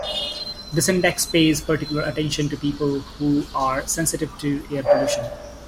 This index pays particular attention to people who are sensitive to air pollution.